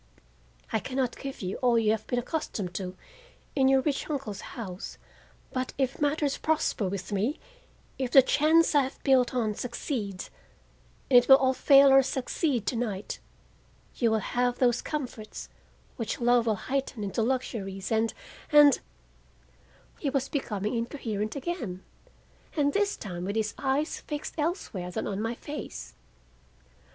I can not give you all you have been accustomed to in your rich uncle's house, but if matters prosper with me, if the chance I have built on succeeds—and it will fail or succeed tonight—you will have those comforts which love will heighten into luxuries and—and—" He was becoming incoherent again, and this time with his eyes fixed elsewhere than on my face.